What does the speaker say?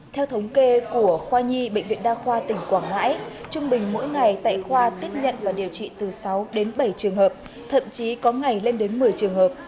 theo thống kê của khoa nhi bệnh viện đa khoa tỉnh quảng ngãi trung bình mỗi ngày tại khoa tiếp nhận và điều trị từ sáu đến bảy trường hợp thậm chí có ngày lên đến một mươi trường hợp